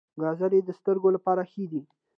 ګازرې د سترګو لپاره ښې دي